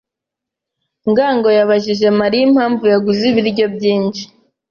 ngango yabajije Mariya impamvu yaguze ibiryo byinshi.